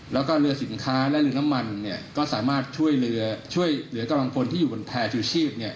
แล้วก็เรือสินค้าและเรือน้ำมันเนี่ยก็สามารถช่วยเลือกลังคนที่อยู่บนแพร่ชื่อชีพเนี่ย